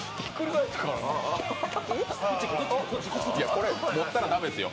これ持ったら駄目ですよ。